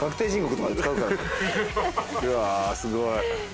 うわすごい。